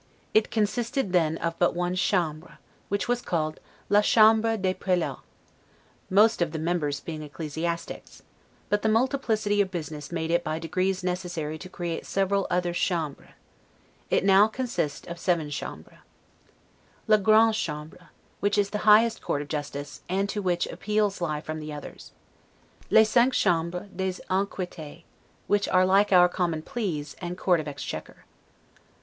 It consisted then of but one chambre, which was called 'la Chambre des Prelats', most of the members being ecclesiastics; but the multiplicity of business made it by degrees necessary to create several other chambres. It consists now of seven chambres: 'La Grande Chambre', which is the highest court of justice, and to which appeals lie from the others. 'Les cinq Chambres des Enquetes', which are like our Common Pleas, and Court of Exchequer.